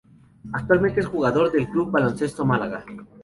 Actualmente es jugador del Club Baloncesto Málaga.